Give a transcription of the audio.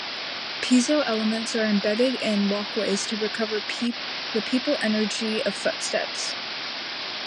Piezo elements are being embedded in walkways to recover the "people energy" of footsteps.